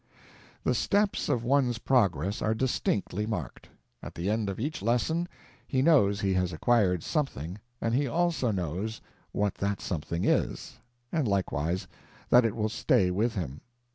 The steps of one's progress are distinctly marked. At the end of each lesson he knows he has acquired something, and he also knows what that something is, and likewise that it will stay with him.